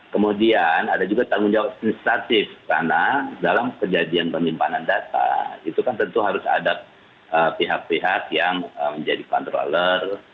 kemudian ada juga tanggung jawab administratif karena dalam kejadian penyimpanan data itu kan tentu harus ada pihak pihak yang menjadi controller